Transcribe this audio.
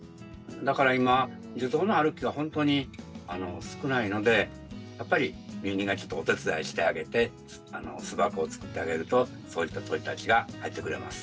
だから今樹洞のある木はほんとに少ないのでやっぱり人間がちょっとお手伝いしてあげて巣箱を作ってあげるとそういった鳥たちが入ってくれます。